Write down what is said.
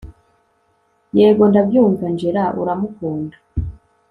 yego ndabyumva angella uramukunda